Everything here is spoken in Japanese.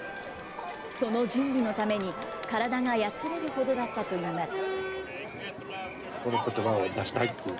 その準備のために、体がやつれるほどだったといいます。